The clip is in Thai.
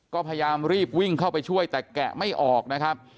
ก็พยายามรีบวิ่งเข้าไปช่วยแต่แกะไม่ออกนะครับ